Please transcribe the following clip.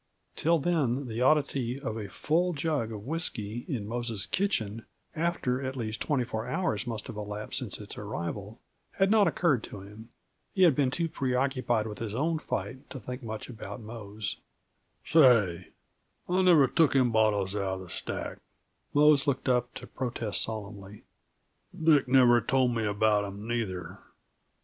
Till then the oddity of a full jug of whisky in Mose's kitchen after at least twenty four hours must have elapsed since its arrival, had not occurred to him. He had been too preoccupied with his own fight to think much about Mose. "Shay, I never took them bottles outa the stack," Mose looked up to protest solemnly. "Dick never told me about 'em, neither.